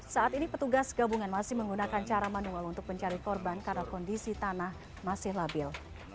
saat ini petugas gabungan masih menggunakan cara manual untuk mencari korban karena kondisi tanah masih labil